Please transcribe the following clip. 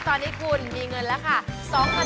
ตอนนี้คุณมีเงินแล้วค่ะ